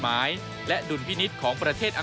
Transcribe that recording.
มาดำเนินคดีในประเทศไทย